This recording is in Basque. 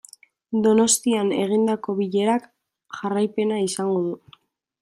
Donostian egindako bilerak jarraipena izango du.